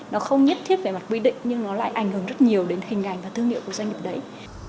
nó không nhất thiết về mặt quy định nhưng nó lại ảnh hưởng rất nhiều đến hình ảnh và thương hiệu của doanh nghiệp đấy